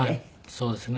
そうですね。